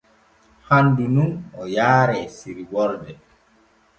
Handu nun o yaare sirborde.